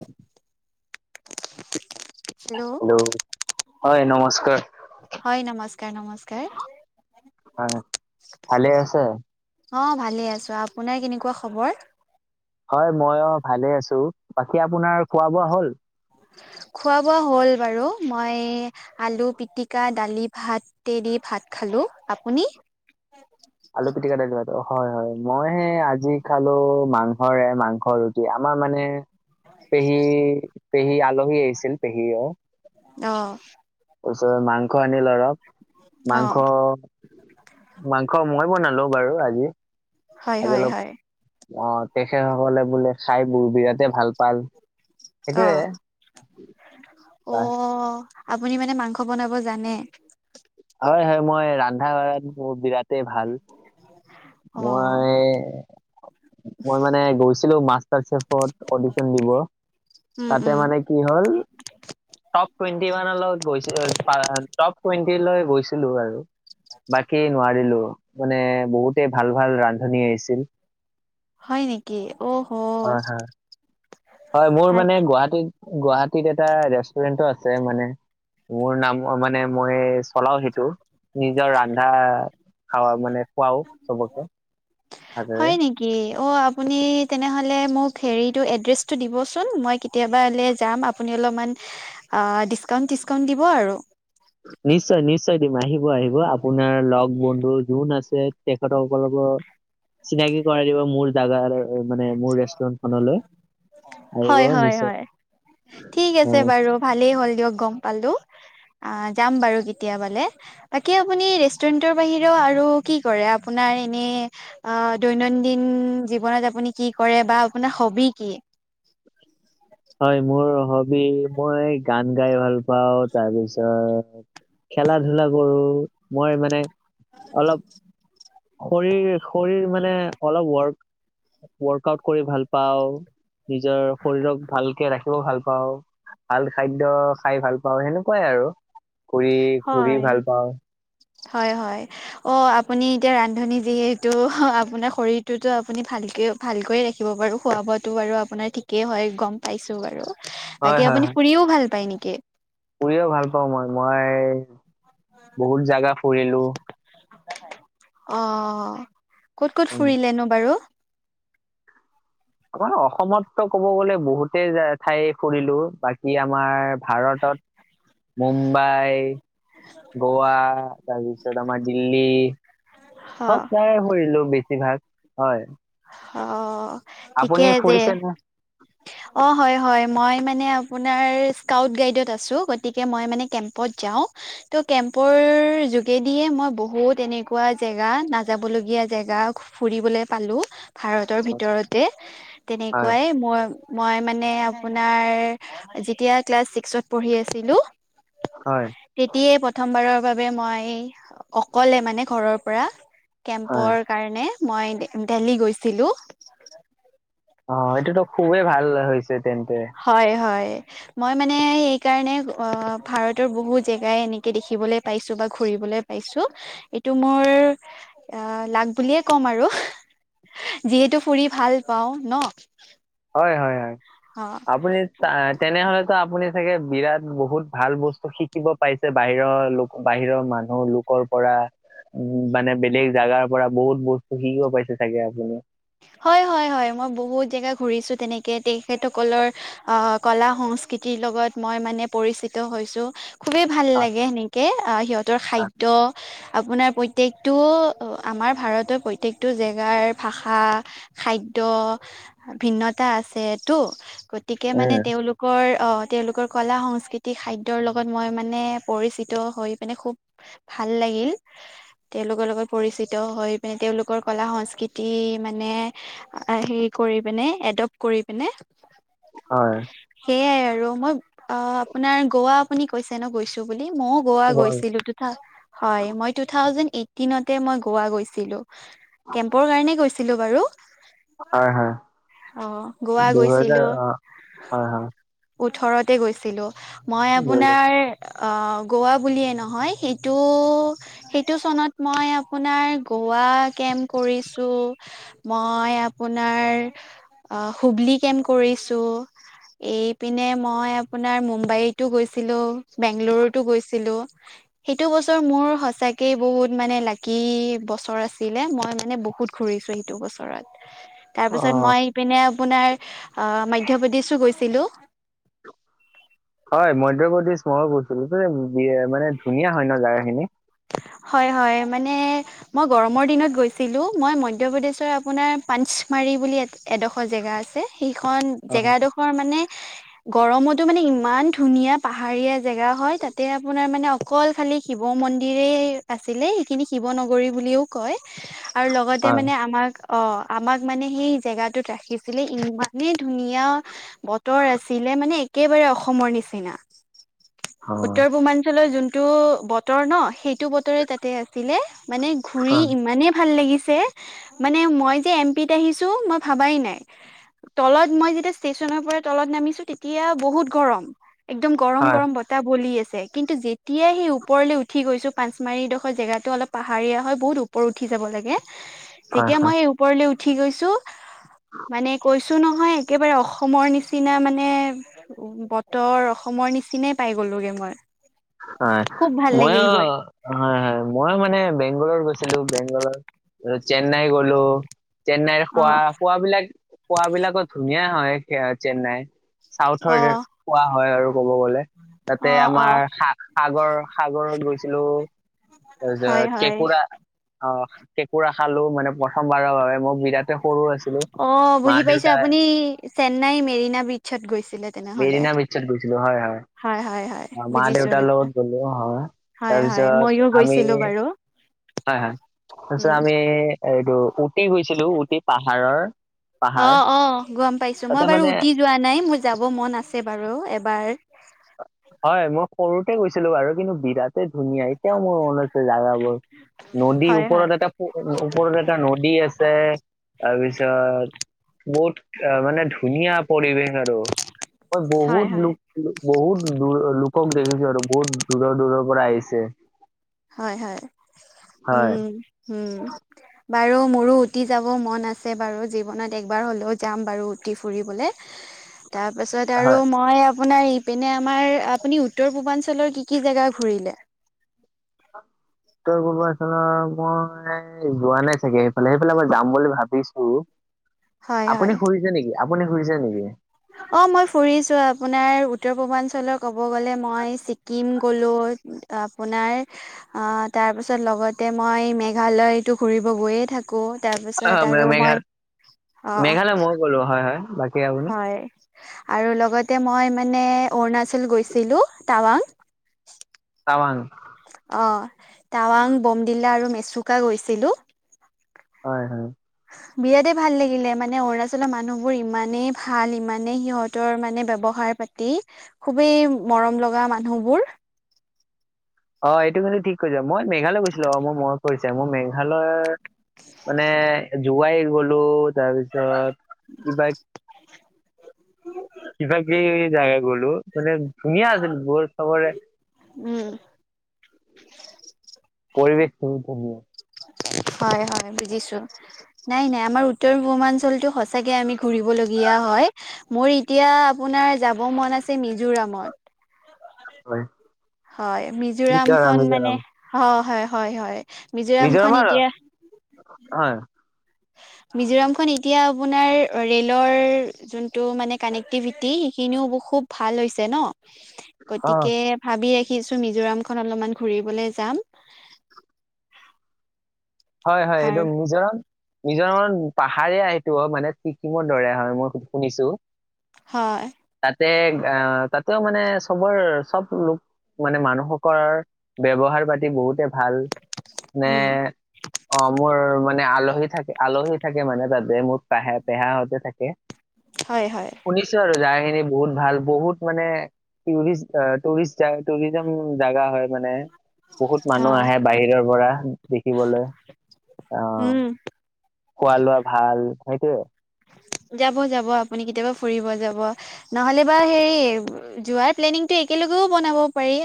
[unintelligible] Hello হয় নমস্কাৰ। হয় নমস্কাৰ নমস্কাৰ অ' ভালে আছে? অ, ভালে আছো, আপোনাৰ কেনেকুৱা খবৰ? হয়, মইয়ো ভালে আছো, বাকী আপোনাৰ খোৱা-বোৱা হ'ল? খোৱা বোৱা হ'ল বাৰু মই আলু পিতিকা দালি, ভাত দি ভাত খালো আপুনি? আলু পিটিকা দালি ভাত। হয়-হয় মইহে আজি খালো মাংসৰে মাংস ৰুটি। কি, আমাৰ মানে পেহী-পেহী আলহী আহিছিল পেহী অ' অ', তাৰপিছত মাংস আনি লৰক অ মাংস মাংস মই বনালো বাৰু হয় আজি-আজি হয় অলপ, হয় অ, তেখেত সকলে বোলে খাই মোৰ বিৰাটেই ভাল পাল সেইটোয়ে অহ, অ, আপুনি মানে মাংস বনাব জানে? হয়-হয় মই ৰান্ধা বিৰাট ভাল। অ মই মই মানে গৈছিলো মাষ্টাৰ চেফত অডিশন দিব। উম তাতে উম মানে কি হ'ল? টপ টুৱেণ্টি ওৱান লগত গৈছে টপ টুৱেন্টি লৈ গৈছিলো আৰু বাকী নোৱাৰিলো। মানে বহুতে ভাল-ভাল ৰান্ধনি আহিছিল। হয় নেকি? অ, হ হয় হয় হয়, মোৰ মানে গুৱাহাটীত গুৱাহাটীত এটা ৰেষ্টুৰেণ্টটো আছে মানে মোৰ নাম মানে মই চলাও সেইটো নিজৰ ৰান্ধা খাৱা মানে খুৱাও চবকে। [unintelligible] কি অ আপুনি তেনেহ'লে মোক হেৰিতটো এড্ৰেছটো দিবচোন মই- কেতিয়াবা এনে যাম আপুনি অলপমান ডিছকাউণ্ট টিচকাউণ্ট দিব আৰু। নিশ্চয় নিশ্চয় দিম আহিব আহিব আপোনাৰ লগ বন্ধু যোন আছে, তেখেতসকলৰ- চিনাকি কৰাই দিব মোৰ জাগা মানে মোৰ ৰেষ্টুৰেন্টখনলৈ- হয় হয় হয় ঠিক অ, আছে বাৰু ভালেই হ'ল দিয়ক গম পালো। অ যাম বাৰু কেতিয়াবালে। বাকী আপুনি ৰেষ্টুৰেণ্টৰ বাহিৰেও আৰু কি কৰে আপোনাৰ এনে- অঁ দৈনন্দিন জীৱনত আপুনি কি কৰে বা আপোনাৰ হবি কি? হয় মোৰ হবি মই গান গাই ভাল পাওঁ তাৰপিছত- খেলা ধূলা কৰো মই মানে অলপ- শৰীৰ শৰীৰ মানে অলপ ৱৰ্ক- ৱৰ্কআউট কৰি ভাল পাওঁ, নিজৰ শৰীৰক ভালকে ৰাখিব ভাল পাওঁ। ভাল খাদ্য খাই ভাল পাওঁ সেনেকুৱাই আৰু ঘূৰি ঘূৰি হয়। ভাল পাওঁ। হয় হয়। অ আপুনি এতিয়া ৰান্ধনী যিহেতু আপোনাৰ শৰীৰটোতো আপুনি ভালকে- ভালকৈ ৰাখিব পাৰো খোৱা বোৱাতো বাৰু আপোনাৰ ঠিকেই হয় গম পাইছো বাৰু। হয় বাকী হয় আপুনি হয় ফুৰিও ভাল পায় নেকি? ফুৰিও ভাল পাওঁ মই মই বহুত জাগা ফুৰিলো। অঁ ক'ত ক'ত উম ফুৰিলেনো বাৰু। আমাৰ অসমততো ক'ব গ'লে বহুতেই ঠাই ফুৰিলো, বাকী আমাৰ ভাৰতত- মুম্বাই গোৱা, তাৰ পিছত আমাৰ দিল্লী - অ প্ৰায় ফুৰিলো বেছিভাগ হয়। অঁ আপুনি ফুৰিছে নে? অঁ হয়-হয় মই মানে আপোনাৰ স্কাউট-গাইডত আছো গতিকে মই মানে কেম্পত যাওঁ। ত' কেম্পৰ যোগেদিয়ে মই বহুত এনেকুৱা জেগা নাযাব লগীয়া জেগা- ফুৰিবলৈ পালো ভাৰতৰ ভিতৰতে হয় তেনেকুৱাই মই- মই মানে আপোনাৰ যেতিয়া ক্লাছ ছিক্সত পঢ়ি আছিলো। হয় তেতিয়াই প্ৰথমবাৰৰ বাবে মই অকলে মানে ঘৰৰ পৰা হয় কেম্পৰ- কাৰণে মই ডেলহি গৈছিলো। অঁ এইটোতো খুবেই ভাল হৈছে তেন্তে। হয় হয়। মই মানে সেই কাৰণে অ ভাৰতৰ বহু জেগাই এনেকে দেখিবলৈ পাইছো বা ঘুৰিবলৈ- পাইছো এইটো মোৰ লাগ বুলিয়ে ক'ম আৰু। যিহেতু ফুৰি ভাল পাওঁ ন। হয়-হয়-হয়। অঁ। আপুনি তেনেহলেতো আপুনি চাগে বিৰাট বহুত ভাল বস্তু শিকিব - পাইছে বাহিৰৰ লোক বাহিৰৰ মানুহ লোকৰ পৰা - উম মানে বেলেগ জেগাৰ পৰা বহুত বস্তু শিকিব পাইছে চাগে আপুনি। - হয়-হয়-হয় মই বহুত জেগা ঘূৰিছো তেনেকে তেখেতসকলৰ আহ কলা সংস্কৃতিৰ লগত মই মানে পৰিচিত হৈছো। খুবেই ভাল লাগে সেনেকে সিহঁতৰ হয় খাদ্য আপোনাৰ প্ৰত্যেকটো আমাৰ ভাৰতৰ প্ৰত্যেকটো জেগাৰ ভাষা খাদ্য ভিন্নতা আছেটো গতিকে মানে উম তেওঁলোক তেওঁলোকৰ আহ তেওঁলোকৰ কলা-সংস্কৃতি খাদ্যৰ লগত মই মানে পৰিচিত হৈ মানে খুব ভাল লাগিল। তেওঁলোকৰ লগত পৰিচিত হৈ মানে তেওঁলোকৰ কলা-সংস্কৃতি মান, মানে সাৰি কৰি মানে এডপ কৰি পিনে, হয়। সেইয়াই আৰু মই অ আপোনাৰ গোৱা আপুনি কৈছে ন গৈছো বুলি মইয়ো, গোৱা হয় গৈছিলো হয় মই টু থাউজেণ্ড এইটিনতে মই গোৱা গৈছিলো। কেম্পৰ কাৰণে গৈছিলো বাৰু হয় হয় অ গোৱা দুহেজাৰ গৈছিলোঁ। অ হয় হয় ওঠৰতে গৈছিলো মই দুহেজাৰ আপোনাৰ আহ গোৱা বুলিয়েই নহয় সেইটো সেইটো চনত মই আপোনাৰ গোৱা কেম্প কৰিছো, মই আপোনাৰ হুবলি কেম্প কৰিছোঁ। এইপিনে মই আপোনাৰ মুম্বাইতো গৈছিলোঁ, বেংলুৰুতো গৈছিলোঁ। সেইটো বছৰ মোৰ সঁচাকেই বহুত মানে লাকি বছৰ আছিলে মই মানে বহুত ঘুৰিছো। সেইটো বছৰত তাৰ অ পিছত মই এইপিনে আপোনাৰ আহ মধ্যপ্ৰদেশো গৈছোঁ। গৈছিলোঁ। হয় মধ্যপ্ৰদেশ মইয়ো গৈছিলোঁ, বি মানে ধুনীয়া হয় ন জেগাখিনি, হয় হয় মানে মই গৰমৰ দিনত গৈছিলোঁ মই মধ্যপ্ৰদেশৰ আপোনাৰ পাঞ্চমাৰী বুলি এডোখৰ জেগা আছে। সেইখন হয় জেগাডোখৰ মানে গৰমতো মানে ইমান ধুনীয়া পাহাৰীয়া জেগা হয় তাতে আপোনাৰ মানে অকল খালি শিৱ মন্দিৰে আছিলে সেইখিনি শিৱ নগৰী বুলিও কয় আৰু লগতে হয় মানে আমাক অ আমাক মানে সেই জেগাটোত ৰাখিছিলে ইমানেই ধুনীয়া বতৰ আছিলে মানে একেবাৰে অসমৰ নিচিনা। অ উত্তৰ পূৰ্বাঞ্চলৰ যোনটো বতৰ ন সেইটো বতৰে তাতে আছিলে। মানে হয় ঘূৰি হয় ইমানেই ভাল লাগিছে। মানে মই যে এম পিত আহিছো মই ভাবাই নাই। তলত মই যেতিয়া ষ্টেচনৰ পৰা তলত নামিছো তেতিয়া বহুত গৰম। একদম গৰম গৰম হয় বতাহ বলি আছে কিন্তু যেতিয়াই সেই ওপৰলৈ উঠি গৈছো পচ মাৰিডোখৰ জেগাটো অলপ পাহাৰীয়া হয় বহুত ওপৰত উঠি যাব লাগে যেতিয়া হয় মই ওপৰলে উঠি গৈছো মানে কৈছো। কৈছোঁ নহয় একেবাৰে অসমৰ নিচিনা মানে বতৰ অসমৰ নিচিনাই পাই গ'লোগে মই। হয় খুব ভাল লাগিল ম‌ইয়ো, গৈ হয় হয় মই মানে বেংগলত গৈছিলো বেংগলত চেন্নাই গলো। চেন্নাইৰ খোৱা অ', খুৱাবিলাক খুৱাবিলাকত ধুনীয়া হয় স চেন্নাইৰ, চাউথৰ অ', কোৱা হয় আৰু ক'ব গলে তাতে অ', আমাৰ। অ', সা সাগৰ সাগৰত গৈছিলো হয়, তাৰপিছত হয়। কেঁকোৰা, অ কেঁকোৰা খালো মানে প্ৰথমবাৰৰ বাবে মই বিৰাট, য়া সৰু আছিলে। অ বুজি পাইছো আপুনি চেন্নাই মেৰিনা ব্ৰিচত গৈছিলে তেনেহলে, মেৰিনা বিছত গৈছিলো হয় হয়। হয় হয় হয়। অ মা বুজিছো দেউতাৰ লগত গ'লো হয় হয় হয় তাৰপিছত ময়ো আমি গৈছিলো বাৰু হয় হয় তাৰপিছত উম, আমি এইটো উতি গুইছিলো উটি পাহাৰৰ, অ পাহাৰ অ গম পাইছো মই তাতে বাৰু মানে উতি যোৱা নাই মোৰ যাব মন আছে বাৰু এবাৰ। [unintelligible] হয় মই সৰুতে গৈছিলো বাৰু কিন্তু বিৰাট ধুনীয়া এতিয়াও মোৰ মনত আছে জাগাবোৰ। নদী হয়, হয়, ওপৰত এটা ওপৰত এটা নদী আছে তাৰপিছত, বহুত মানে ধুনীয়া পৰিৱেশ আৰু মই হয়, বহুত হয়, লোক, বহুত দূৰ- লোকক দেখিছো আৰু, বহুত দূৰৰ - দূৰৰ পৰা আহিছে। হয় - হয়, হয় উম, উম। বাৰু, মোৰো ওটি যাব মন আছে বাৰু। জীৱনত একবাৰ হ'লেও যাম বাৰু, ওটি ফুৰিবলৈ। [inaudible] তাৰ পাছত আৰু হয় মই আ পোনাৰ এইপিনে আমাৰ- আপুনি উত্তৰ-পূৰ্বাঞ্চলৰ কি - কি জেগা ঘূৰিলে? উত্তৰ-পূৰ্বাঞ্চলৰ মই যোৱা নাই চাগে এইফালে। সেইফালে মই যাম বুলি ভাবিছোঁ। হয় হয়। আপুনি ফুৰিছে নেকি? আপুনি ফুৰিছে নেকি? অ' মই ফুৰিছোঁ আপোনাৰ উত্তৰ-পূৰ্বাঞ্চলৰ ক'ব গ'লে, মই ছিকিম গ'লোঁ, আপোনাৰ অ'- তাৰপিছত লগতে মই মেঘালয়তো ঘুৰিব গৈয়ে থা কোঁ। হয় হয় তাৰপিছত মে- আৰু মই অ' লো হয় - হয়, বাকী আপুনি হয়। আৰু লগতে মই মানে অৰুণাচল গৈছিলোঁ, টাৱাং। টাৱাং? অ' টাৱাং, বোমডিলা আৰু মেচুকা গৈছিলোঁ। হয় - হয়। বিৰাটে ভাল লাগিলে, মানে অৰুণাচলৰ মানুহবোৰ ইমানেই ভাল, ইমানেই সিহঁতৰ মানে ব্যৱহাৰ-পা তি, খুবেই মৰম লগা মানুহবোৰ। অ' এইটো কিন্তু ঠিক কৈছা। মই মেঘালয় গৈছিলোঁ আও, মোৰ মনত পৰিছে। মোৰ মেঘালয় মানে জোৱাই গ'লোঁ, তাৰপিছত কিবা কিবা-কিবি জেগা গ'লোঁ। মানে ধুনীয়া আছিল বৰ চবৰে উম। পৰিৱেশটো ধুনীয়া। হয় - হয়, বুজিছোঁ। নাই - নাই, আমাৰ উত্তৰ-পূৰ্বাঞ্চলটো সচাঁকে আমি ঘূৰিবলগীয়া হয়। মোৰ এতিয়া আপোনাৰ যাব মন আছে মিজোৰামত। হয়। হয়, মিজোৰাম মিজোৰামখন মানে- মিজোৰাম হয় - হয় - হয় - হয়। মিজোৰামখন মিজোৰামৰ- এতিয়া হয়। মিজোৰামখন এতিয়া আপোনাৰ অ'- ৰেলৰ যোনটো মানে কানেক্ট টিভিটি সেইখিনিও খুব ভাল হৈছে ন'। [inaudible] গতিকে ভাবি ৰাখিছোঁ মিজোৰামখন অলপমান ঘুৰিবলৈ যাম। হয় - হয়, এইটো আৰু মিজোৰাম মিজোৰামত পাহাৰীয়া সেইটো, মানে চিকিমৰ দৰে হয়, মই শুনিছোঁ। হয়। তাতে অ'- তাতেও মানে চবৰ- চব লোক মানে মানুহসকৰ ব্যৱহাৰ-পাতি বহুতে ভাল, নে উম অ' মোৰ মানে আলহী থাক- আলহী থাকে মানে তাতে, মোৰ পে- পেহাহতে থাকে। [inaudible] হয় - হয়। শুনিছোঁ আৰু জাগাখিনি বহুত ভাল, বহুত মানে টুৰিষ্ট অ'- টুৰিষ্ট যায়, টুৰিজম জাগা হয় মানে। বহুত অ মানুহ আহে বাহিৰৰ পৰা, দেখিবলৈ অ'। উম খোৱা-লোৱা ভাল, সেইটোৱে। যাব - যাব, আপুনি কেতিয়াবা ফুৰিব যাব। নহলেবা হেৰি, যোৱাৰ প্লেনিংটো একেলগেও বনাব পাৰি।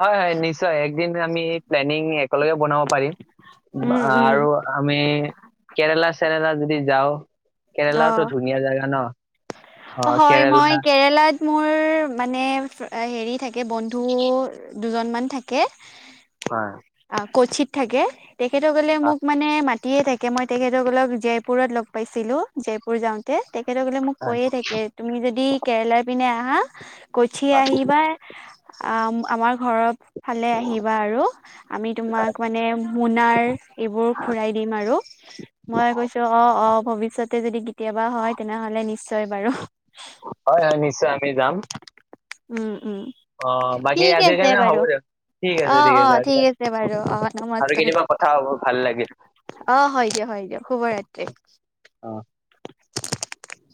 হয় - হয়, নিশ্চয়। একদিন আমি প্লেনিং একেলগে বনাব পাৰিম। উম উম আৰু আমি কেৰেলা-চেৰেলা যদি যাওঁ, কেৰেলাটো ধুনীয়া জেগা ন'। অ হয়, মই কেৰেলা কেৰেলাত মোৰ মানে ফ- হেৰি থাকে বন্ধু দুজনমান থাকে। হয়। অ, কচিত থাকে তেখেতসকলে হয় মোক মানে মা তিয়ে থাকে মই তেখেতসকলক জেপুৰ লগ পাইছিলো, জেপুৰ যাওঁতে তেখেতসকলে মোক হয় কৈয়ে থাকে। তুমি যদি কেৰেলাৰ পিনে আহা কচি আহিবা। আ আমাৰ ঘৰৰ ফালে আহিবা আৰু। আমি তোমাক মানে মোনাৰ এইবোৰ ঘূৰাই দিম আৰু। মই কৈছো অ, অ, ভৱিষৎতে যদি কেতিয়াবা হয় তেনেহলে নিশ্চয় বাৰু। হয়-হয় নিশ্চয় আমি যাম। উম, উম, অ, বাকি ঠিক আজ যে আছে হ'ব বাৰু দিয়ক। ঠিক অ আছে, ঠিক অ আছে আজিকাল বাৰু অ আৰু নমস্কাৰ কেতিবা কথা হ'ব ভাল লাগিল। অ, হয় দিয়া, হয় দিয়া শুব ৰাতিৰ। অ', [inaudible]